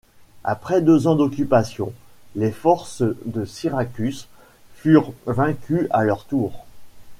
Après deux ans d'occupation, les forces de Syracuse furent vaincues à leur tour.